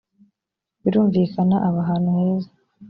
birumvikana aba ahantu heza.